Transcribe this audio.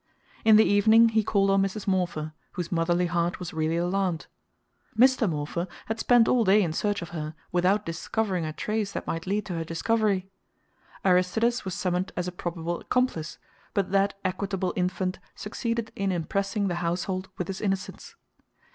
In the evening he called on Mrs. Morpher, whose motherly heart was really alarmed. Mr. Morpher had spent all day in search of her, without discovering a trace that might lead to her discovery. Aristides was summoned as a probable accomplice, but that equitable infant succeeded in impressing the household with his innocence.